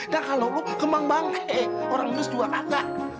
nah kalo lu kembang bangke orang minus dua kata